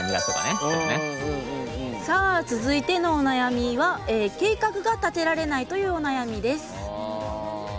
続いての、お悩みは「計画が立てられない」というお悩みです。